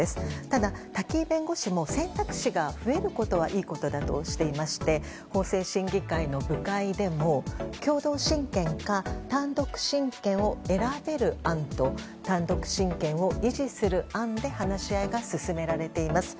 ただ、瀧井弁護士も選択肢が増えることはいいことだとしていまして法制審議会の部会でも共同親権か単独親権を選べる案と単独親権を維持する案で話し合いが進められています。